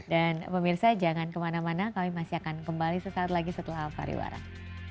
dan pemirsa jangan kemana mana kami masih akan kembali sesaat lagi setelah hari warang